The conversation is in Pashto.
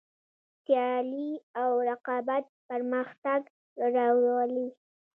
سیالي او رقابت پرمختګ راولي.